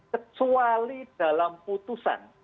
kecuali dalam putusan